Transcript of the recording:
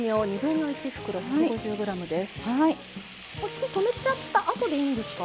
火止めちゃったあとでいいんですか？